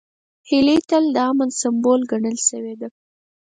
هیلۍ تل د امن سمبول ګڼل شوې ده